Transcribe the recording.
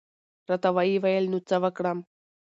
را ته وې ویل نو څه وکړم؟